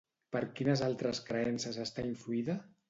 Per quines altres creences està influïda?